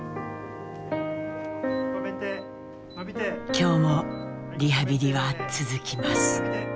今日もリハビリは続きます。